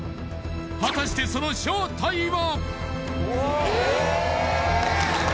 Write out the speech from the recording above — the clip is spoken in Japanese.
果たしてその正体は？